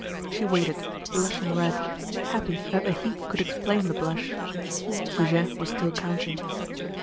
She waited, blushing red, happy that the heat could explain the blush. Goujet was still counting.